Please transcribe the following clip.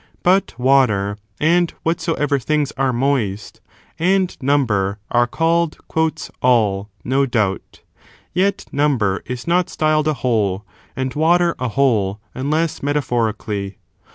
But water, and whatsoever things are moist, and number, are called " all," no doubt ; yet number is not styled a whole, and water a whole, unless metaphorically.